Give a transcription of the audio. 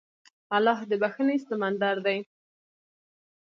الله د بښنې سمندر دی.